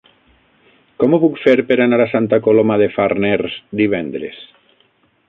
Com ho puc fer per anar a Santa Coloma de Farners divendres?